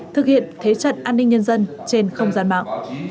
thực hiện thế trận an ninh nhân dân trên không gian mạng